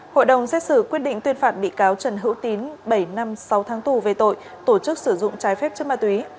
hội đồng xét xử quyết định tuyên phạt bị cáo trần hữu tín bảy năm sáu tháng tù về tội tổ chức sử dụng trái phép chất ma túy